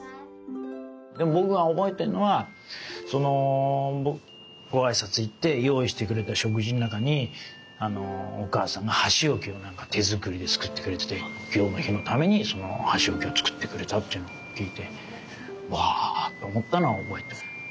でも僕が覚えてるのはご挨拶行って用意してくれた食事の中にお母さんが箸置きをなんか手作りで作ってくれてて今日の日のためにその箸置きを作ってくれたっていうのを聞いて「うわ！」と思ったのは覚えてます。